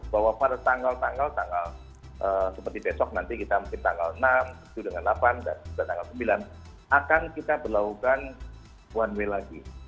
bahwa pada tanggal tanggal tanggal seperti besok nanti kita mungkin tanggal enam tujuh dengan delapan dan juga tanggal sembilan akan kita berlakukan one way lagi